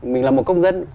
mình là một công dân